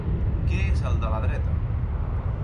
Què és el de la dreta?